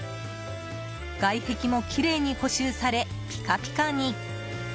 外壁もきれいに補修されピカピカに。